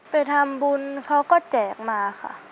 ไปทำบุญเขาก็แจกมาค่ะ